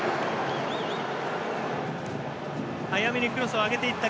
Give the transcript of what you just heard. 早めにクロスを上げていった。